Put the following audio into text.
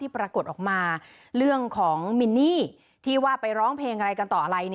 ปรากฏออกมาเรื่องของมินนี่ที่ว่าไปร้องเพลงอะไรกันต่ออะไร